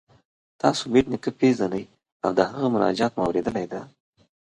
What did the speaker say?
تاسو بېټ نیکه پيژنئ او د هغه مناجات مو اوریدلی دی؟